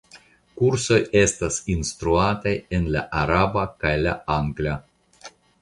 Kursoj estas instruataj en la araba kaj la angla.